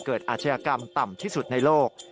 อาชญากรรมต่ำที่สุดในโลก